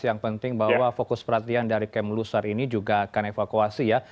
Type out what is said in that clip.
yang penting bahwa fokus perhatian dari kem lusar ini juga akan evakuasi ya